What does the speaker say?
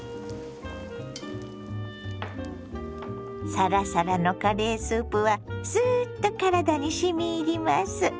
サラサラのカレースープはすっと体にしみ入ります。